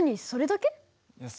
「それだけ？」